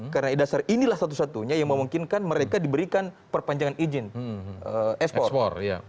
karena dasar inilah satu satunya yang memungkinkan mereka diberikan perpanjangan izin ekspor